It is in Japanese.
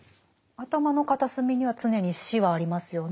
頭の片隅には常に死はありますよね。